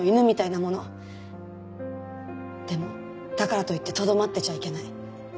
でもだからといってとどまってちゃいけない。